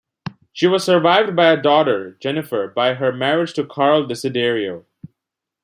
She was survived by a daughter, Jennifer, by her marriage to Carl Desiderio.